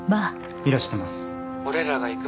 いらしてます